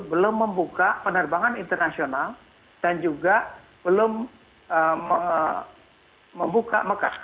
belum membuka penerbangan internasional dan juga belum membuka mekah